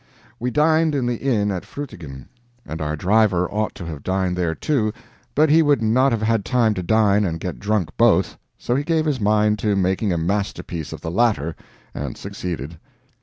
We dined in the inn at Frutigen, and our driver ought to have dined there, too, but he would not have had time to dine and get drunk both, so he gave his mind to making a masterpiece of the latter, and succeeded.